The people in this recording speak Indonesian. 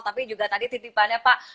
tapi juga tadi titipannya pak